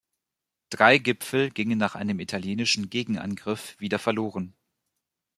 Drei Gipfel gingen nach einem italienischen Gegenangriff wieder verloren.